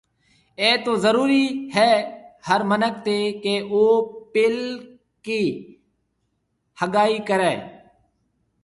اَي تو ضرُورِي هيَ هر مِنک تي ڪيَ او پيلڪِي هگائي ڪريَ۔